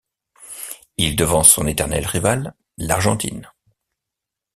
Il devance son éternel rival, l'Argentine.